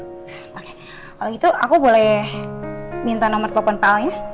kalau gitu aku boleh minta nomor telepon pak al ya